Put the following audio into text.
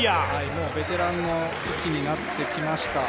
もうベテランの域になってきました。